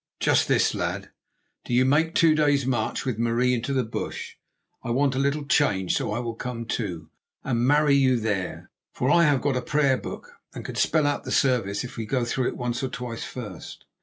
"Just this, lad. Do you make a two days' march with Marie into the bush. I want a little change, so I will come, too, and marry you there; for I have got a prayer book, and can spell out the service if we go through it once or twice first."